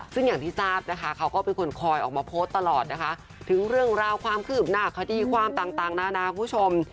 ซึ่งอย่างที่ทราบนะคะเขาก็เป็นคนคอยออกมาโพสต์ตลอดนะคะถึงเรื่องราวความคืบหน้าคดีความต่างนานาคุณผู้ชม